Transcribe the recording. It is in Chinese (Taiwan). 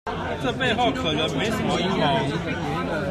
這背後可能沒什麼陰謀